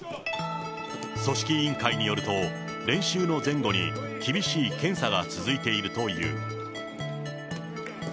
組織委員会によると、練習の前後に厳しい検査が続いているという。